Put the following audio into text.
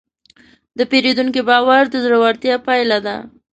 د پیرودونکي باور د زړورتیا پایله ده.